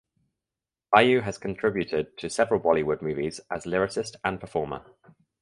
Vayu has contributed to several Bollywood movies as lyricist and performer.